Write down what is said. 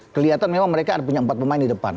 kelihatan memang mereka punya empat pemain di depan